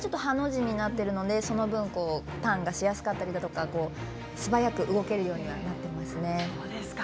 車輪がハの字になってるので、その分ターンがしやすかったりだとか素早く動けるようになってますね。